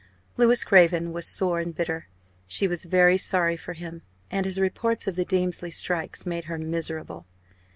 Louis Craven was sore and bitter. She was very sorry for him; and his reports of the Damesley strikers made her miserable.